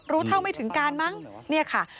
รู้เท่าไม่ถึงการมั้งเนี่ยค่ะ